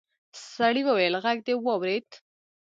سړي وويل غږ دې واورېد.